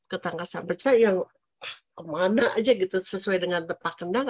ketangkasan pencah yang kemana aja gitu sesuai dengan tepat kendang